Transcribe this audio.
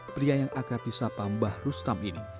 pria yang akrab di sapa mbah rustam ini